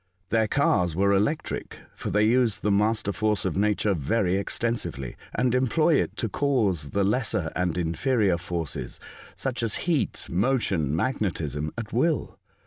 Their cars were electric, for they use the master force of nature very extensively, and employ it to cause the lesser and inferior forces, as heat, motion, magnetism, at will.